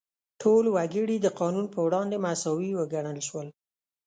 ټول وګړي د قانون په وړاندې مساوي وګڼل شول.